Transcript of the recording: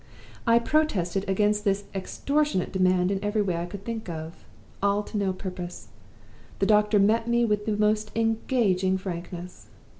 "I protested against this extortionate demand in every way I could think of. All to no purpose. The doctor met me with the most engaging frankness.